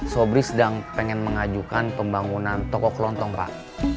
sobri sedang pengen mengajukan pembangunan toko kelontong pak